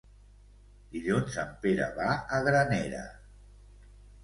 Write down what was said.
Dilluns en Pere va a Granera.